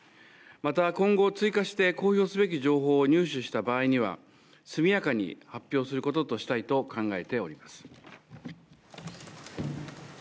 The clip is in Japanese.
また今後、追加して公表すべき情報を入手した場合には速やかに発表することとしたいと考えております。